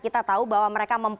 kita tahu bahwa mereka